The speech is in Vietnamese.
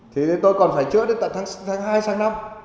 thì tôi còn phải chữa đến tháng hai hay tháng năm